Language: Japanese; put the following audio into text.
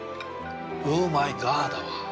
ウーマイガーだわ。